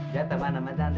jatah mana mas